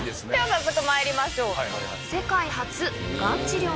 早速まいりましょう。